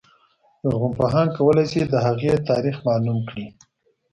لرغونپوهان کولای شي د هغې تاریخ معلوم کړي.